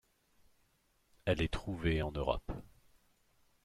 Elle est trouvée en Europe.